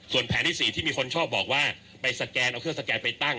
ส่วนแผนที่๔ที่มีคนชอบบอกว่าไปสแกนเอาเครื่องสแกนไปตั้ง